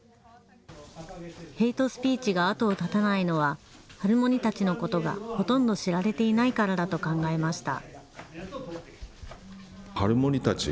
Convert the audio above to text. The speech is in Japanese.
ヘイトスピーチが後を絶たないのは、ハルモニたちのことがほとんど知られていないからだと考えました。